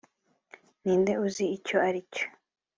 ninde uzi icyo aricyo